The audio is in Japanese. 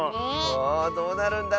あどうなるんだろうね。